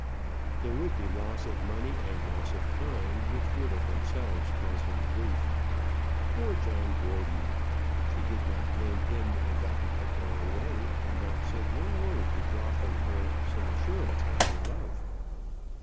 There would be loss of money, and loss of time, which would of themselves cause him grief. Poor John Gordon! She did not blame him in that he had gone away, and not said one word to draw from her some assurance of her love.